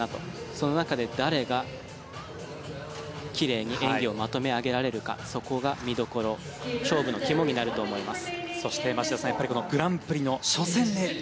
その中で誰が奇麗に演技をまとめ上げられるかそこが見どころ勝負の肝になると思います。